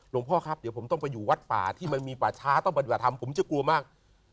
พ่อครับเดี๋ยวผมต้องไปอยู่วัดป่าที่มันมีป่าช้าต้องปฏิบัติธรรมผมจะกลัวมาก